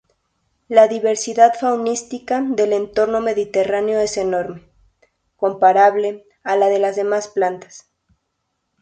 La diversidad faunística del entorno mediterráneo es enorme, comparable a la de las plantas.